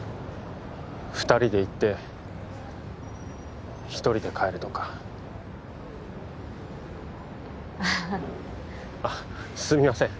二人で行って一人で帰るとかあああっすみません